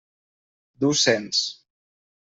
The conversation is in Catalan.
Du Sens.